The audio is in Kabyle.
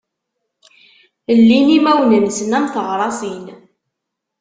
Llin imawen-nnsen am teɣṛasin.